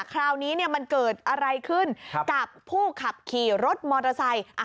คราวนี้มันเกิดอะไรขึ้นกับผู้ขับขี่รถมอเตอร์ไซค์